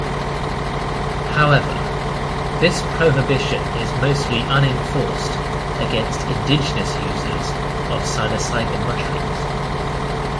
However, this prohibition is mostly unenforced against indigenous users of psilocybin mushrooms.